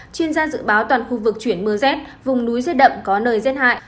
chuyên gia dự báo toàn khu vực chuyển mưa dết vùng núi dết đậm có nơi dết hại